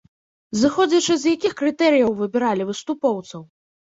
Зыходзячы з якіх крытэрыяў выбіралі выступоўцаў?